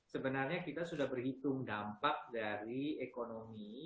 sebenarnya kita sudah berhitung dampak dari ekonomi